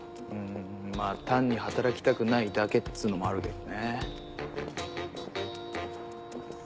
んまぁ単に働きたくないだけっつうのもあるけどね。